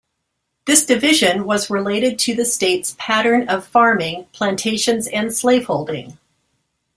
This division was related to the state's pattern of farming, plantations and slaveholding.